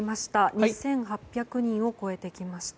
２８００人を超えてきました。